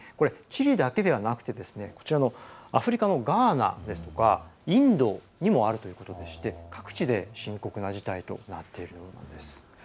チリだけではなくてアフリカのガーナですとかインドにもあるということでして各地で深刻な事態となっているんです。